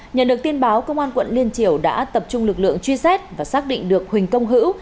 nhận được tin báo công an quận liên triều đã tập trung lực lượng truy xét và xác định được huỳnh công hữu